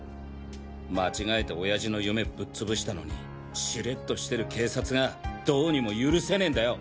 間違えて親父の夢ぶっ潰したのにシレッとしてる警察がどうにも許せねぇんだよ。